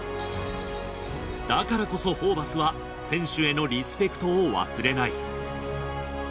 だからこそホーバスは選手へのリスペクトを忘れない。